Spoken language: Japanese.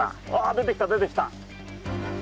出てきた、出てきた。